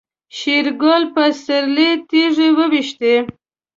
شېرګل په سيرلي تيږې وويشتې.